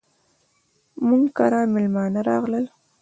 موږ کره ميلمانه راغلل.